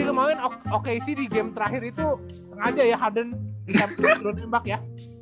jadi kemaren okc di game terakhir itu sengaja ya harden di camp turun tembak ya